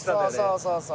そうそうそう。